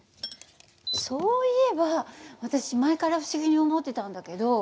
そういえば私前から不思議に思ってたんだけど。